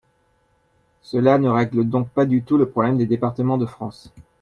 Cela ne règle donc pas du tout le problème des départements de France.